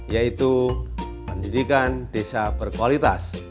yaitu pendidikan desa berkualitas